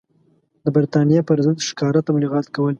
د برټانیې پر ضد ښکاره تبلیغات کول.